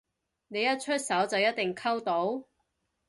你一出手就一定溝到？